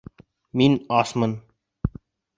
Мин асмын